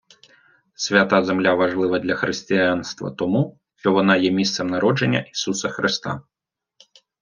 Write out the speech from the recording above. Свята Земля важлива для Християнства тому, що вона є місцем народження Ісуса Христа.